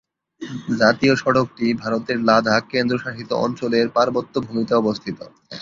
জাতীয় সড়কটি ভারতের লাদাখ কেন্দ্রশাসিত অঞ্চলের পার্বত্য ভূমিতে অবস্থিত।